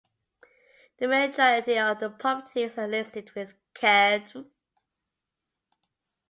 The majority of the properties are listed with Cadw.